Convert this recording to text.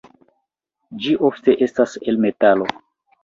Ĝi ofte estas el metalo.